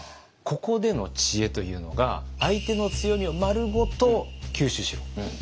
ここでの知恵というのが「相手の強みをまるごと吸収しろ」という知恵でした。